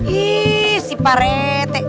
ih si pak rete